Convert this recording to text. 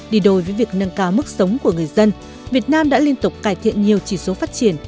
đi đổi với việc nâng cao mức sống của người dân việt nam đã liên tục cải thiện nhiều chỉ số phát triển